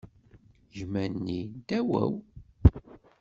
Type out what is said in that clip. Gma-nni ddaw-aw.